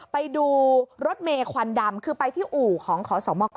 ไปดูรถเมควันดำคือไปที่อู่ของขอสมก